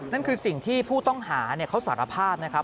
นั่นคือสิ่งที่ผู้ต้องหาเขาสารภาพนะครับ